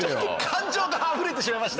感情があふれてしまいました。